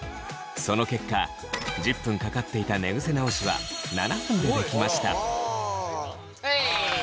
その結果１０分かかっていた寝ぐせ直しは７分でできました。